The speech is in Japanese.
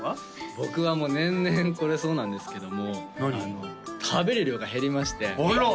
僕はもう年々これそうなんですけども食べる量が減りましてあら！